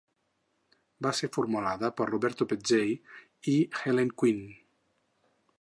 Va ser formulada per Roberto Peccei i Helen Quinn.